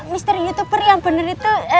mister youtuber yang bener itu